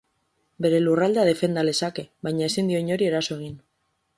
Bere lurraldea defenda lezake, baina ezin dio inori eraso egin.